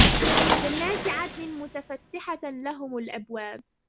جَنَّاتِ عَدْنٍ مُفَتَّحَةً لَهُمُ الْأَبْوَابُ